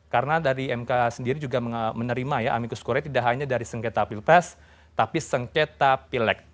karena dari mk sendiri juga menerima ya amikus kurai tidak hanya dari sengketa pilpres tapi sengketa pilek